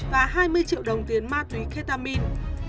và hai mươi triệu đồng tiền ma túy ketamin